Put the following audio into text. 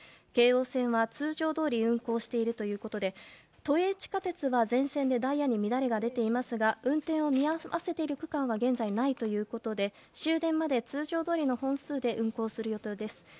京王線は通常どおり運行しているということで都営地下鉄は全線でダイヤに乱れが出ていますが運転を見合わせている区間は現在ないということで終電まで通常どおりの本数で運行する予定です。